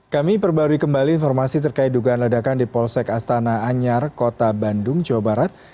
kami perbarui kembali informasi terkait dugaan ledakan di polsek astana anyar kota bandung jawa barat